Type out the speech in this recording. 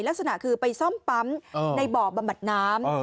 ลักษณะคือไปซ่อมปั๊มในบ่อบำบัดน้ำ